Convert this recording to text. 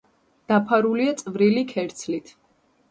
დაფარულია წვრილი ქერცლით.